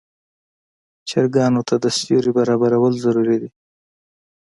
چرګانو ته د سیوري برابرول ضروري دي.